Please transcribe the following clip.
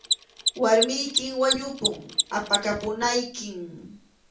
Warmiykim wañupun, apakapunaykim.